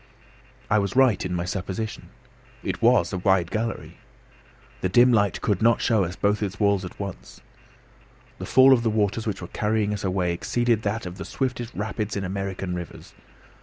I was right in my supposition. It was a wide gallery. The dim light could not show us both its walls at once. The fall of the waters which were carrying us away exceeded that of the swiftest rapids in American rivers.